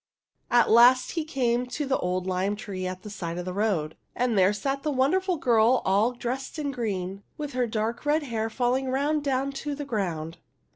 " At last he came to the old lime tree at the side of the road ; and there sat the wonderful girl all dressed in green, with her dark red hair falling round her down to the ground.